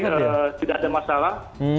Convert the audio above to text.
jadi tidak ada masalah